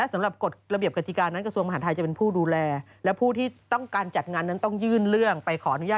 ไม่ได้การปล่อยโคมต้องแล้วอนุมัติก่อน